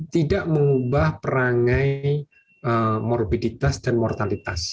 tidak mengubah perangai morbiditas dan mortalitas